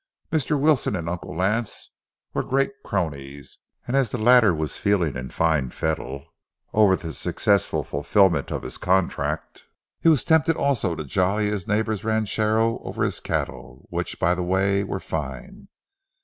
Mr. Wilson and Uncle Lance were great cronies, and as the latter was feeling in fine fettle over the successful fulfillment of his contract, he was tempted also to jolly his neighbor ranchero over his cattle, which, by the way, were fine.